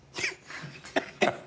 ハハハハ。